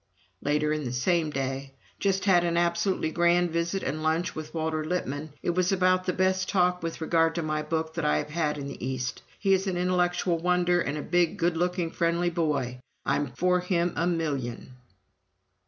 Later in the same day: "Just had an absolutely grand visit and lunch with Walter Lippmann ... it was about the best talk with regard to my book that I have had in the East. He is an intellectual wonder and a big, good looking, friendly boy. I'm for him a million."